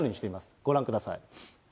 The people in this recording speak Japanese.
ご覧ください。